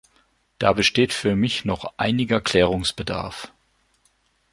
Da besteht für mich noch einiger Klärungsbedarf.